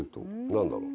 何だろう